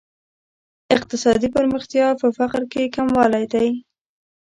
اقتصادي پرمختیا په فقر کې کموالی دی.